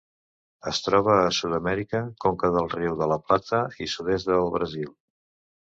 Es troba a Sud-amèrica: conca del riu de La Plata i sud-est del Brasil.